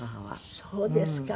あっそうですか。